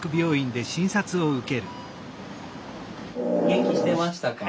元気してましたか？